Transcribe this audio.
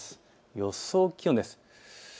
予想気温です。